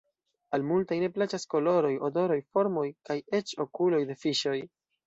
Al multaj ne plaĉas koloroj, odoroj, formoj kaj eĉ okuloj de fiŝoj.